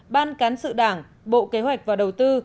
ban cán sự đảng bộ kế hoạch và đầu tư